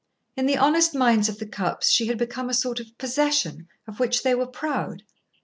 In the honest minds of the Cupps, she had become a sort of possession of which they were proud.